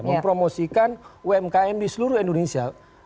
mempromosikan umkm di seluruh indonesia